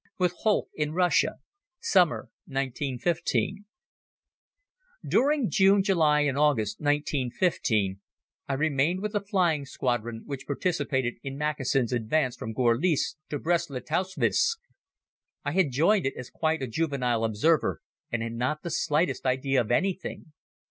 With Holck in Russia. (Summer, 1915) DURING June, July and August, 1915, I remained with the Flying Squadron which participated in Mackensen's advance from Gorlice to Brest Litovsk. I had joined it as quite a juvenile observer and had not the slightest idea of anything.